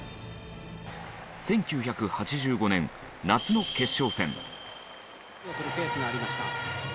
１９８５年夏の決勝戦。